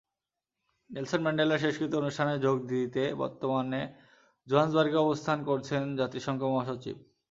Nelson ম্যান্ডেলার শেষকৃত্য অনুষ্ঠানে যোগ দিতে বর্তমানে জোহান্সবার্গে অবস্থান করছেন জাতিসংঘ মহাসচিব।